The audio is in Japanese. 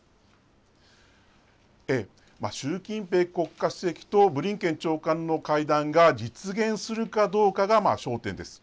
習近平国家主席とブリンケン長官の会談が実現するかどうかが焦点です。